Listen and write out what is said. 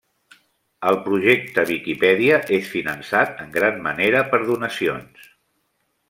El projecte Viquipèdia és finançat en gran manera per donacions.